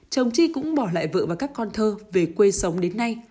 chồng chi cũng bỏ lại vợ và các con thơ về quê sống đến nay